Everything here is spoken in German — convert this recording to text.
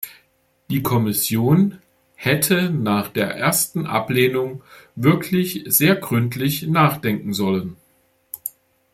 Die Kommission hätte nach der ersten Ablehnung wirklich sehr gründlich nachdenken sollen.